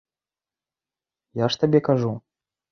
Я ж табе кажу.